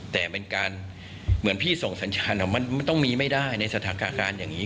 แต่เป็นการเหมือนพี่ส่งสัญญาณมันต้องมีไม่ได้ในสถานการณ์อย่างนี้